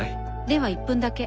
では１分だけ。